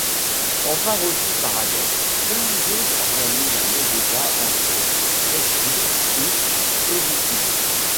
Enfin reçu par Hadès, Dionysos organise un long débat entre Eschyle et Euripide.